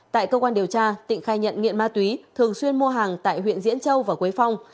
tại cơ quan điều tra tịnh khai nhận nghiện ma túy thường xuyên mua hàng tại huyện diễn châu và quế phong